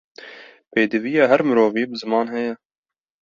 Pêdiviya her mirovî, bi ziman heye